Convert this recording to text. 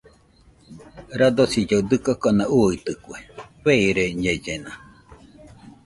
Radosillaɨ dɨkokana uitɨkue, feireñellena.